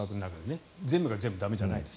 全部が全部駄目じゃないです。